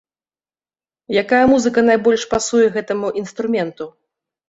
Якая музыка найбольш пасуе гэтаму інструменту?